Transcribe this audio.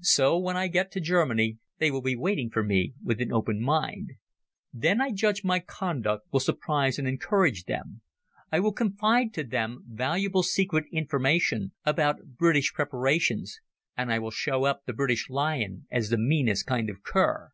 So, when I get to Germany they will be waiting for me with an open mind. Then I judge my conduct will surprise and encourage them. I will confide to them valuable secret information about British preparations, and I will show up the British lion as the meanest kind of cur.